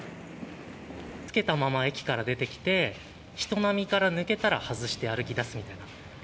着けたまま駅から出てきて、人波から抜けたら外して歩きだすみたいな。